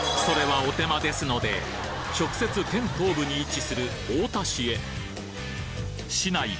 それはお手間ですので直接県東部に位置する太田市へ市内